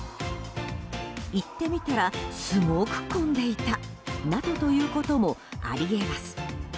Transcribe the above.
行ってみたらすごく混んでいたなどということもあり得ます。